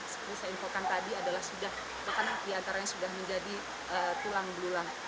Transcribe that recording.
seperti saya infokan tadi adalah sudah bahkan diantaranya sudah menjadi tulang belulang